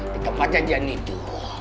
di tempat jajan itu